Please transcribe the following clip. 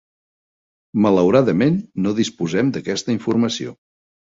Malauradament no disposem d'aquesta informació.